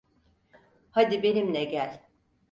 Hadi benimle gel.